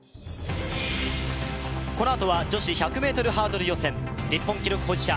このあとは女子１００ｍハードル予選日本記録保持者